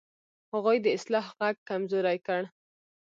هغوی د اصلاح غږ کمزوری کړ.